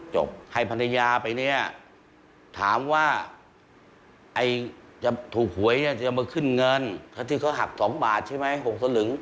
จะมาขึ้นเงินถ้าที่เขาหัก๒บาทใช่ไหม๖สลึง